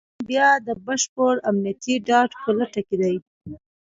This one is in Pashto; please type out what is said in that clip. اوکرایین بیا دبشپړامنیتي ډاډ په لټه کې دی.